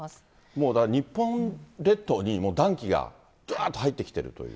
もうだから、日本列島に暖気がどわーっと入ってきているという。